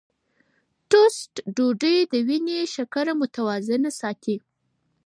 ټوسټ ډوډۍ د وینې شکره متوازنه ساتي.